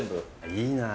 いいなあ